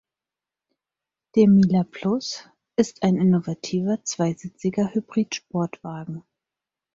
Der Mila Plus ist ein innovativer zweisitziger Hybrid-Sportwagen.